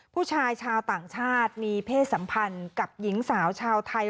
ผู้ชายชาวต่างชาติมีเพศสัมพันธ์กับหญิงสาวชาวไทย